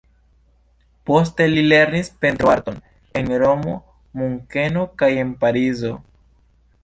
Poste li lernis pentroarton en Romo, Munkeno kaj en Parizo.